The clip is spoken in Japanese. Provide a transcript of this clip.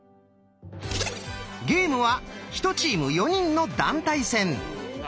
ゲームは１チーム４人の団体戦。